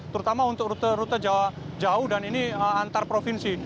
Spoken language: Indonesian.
terutama untuk rute rute jauh dan ini antar provinsi